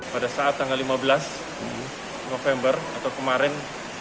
pada saat tanggal lima belas november atau kemarin